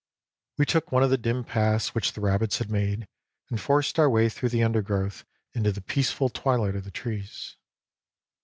We took one of the dim paths which the rabbits had made and forced our way through the undergrowth into the peaceful twilight of the trees.